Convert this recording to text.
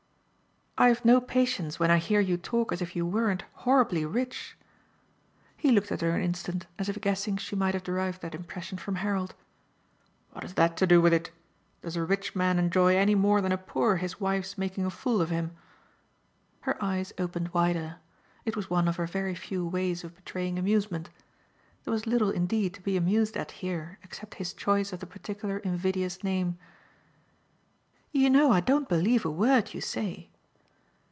"I've no patience when I hear you talk as if you weren't horribly rich." He looked at her an instant as if guessing she might have derived that impression from Harold. "What has that to do with it? Does a rich man enjoy any more than a poor his wife's making a fool of him?" Her eyes opened wider: it was one of her very few ways of betraying amusement. There was little indeed to be amused at here except his choice of the particular invidious name. "You know I don't believe a word you say."